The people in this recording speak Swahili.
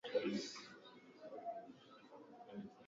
ernest carter alikuwa na watoto wawili